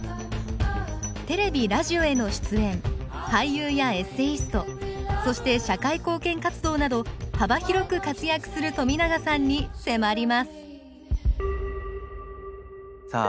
テレビラジオへの出演俳優やエッセイストそして社会貢献活動など幅広く活躍する冨永さんに迫りますさあ